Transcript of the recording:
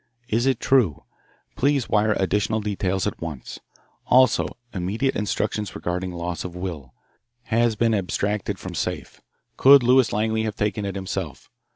Is it true? Please wire additional details at once. Also immediate instructions regarding loss of will. Has been abstracted from safe. Could Lewis Langley have taken it himself?